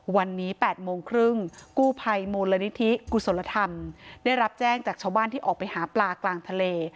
วันนี้๘โมงครึ่งกู้ภัยมูลนิธิกุศลธรรมได้รับแจ้งจากชาวบ้านที่ออกไปหาปลากลางทะเล